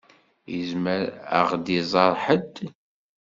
Izmer ad ɣ-d-iẓeṛ ḥedd.